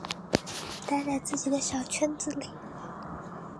待在自己的小圈子里